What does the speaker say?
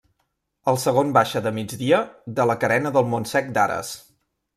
El segon baixa de migdia, de la carena del Montsec d'Ares.